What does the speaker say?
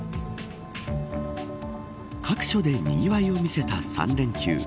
各所でにぎわいを見せた３連休。